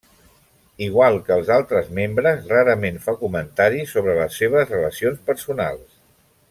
Igual que els altres membres, rarament fa comentaris sobre les seves relacions personals.